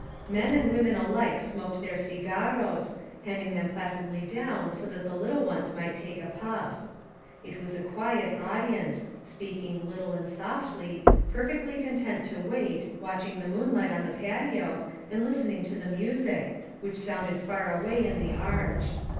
Men and women alike smoked their cigarros, handing them placidly down so that the little ones might take a puff. It was a quiet audience, speak ing little and softly, perfectly content to wait, watch ing the moonlight in the patio, and listening to the music, which sounded far away in the arch.